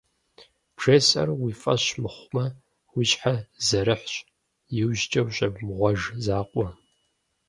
БжесӀэр уи фӀэщ мыхъумэ, уи щхьэ зэрыхьщ, иужькӀэ ущӀемыгъуэж закъуэ.